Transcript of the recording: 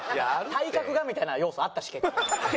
「体格が」みたいな要素あったし結構。